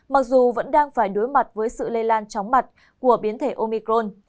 mặc dù vẫn đang phải đối mặt với sự lây lan chóng mặt của biến thể omicron